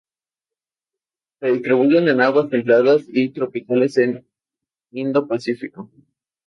Se distribuyen en aguas templadas y tropicales del Indo-Pacífico.